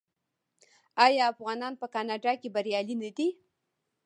آیا افغانان په کاناډا کې بریالي نه دي؟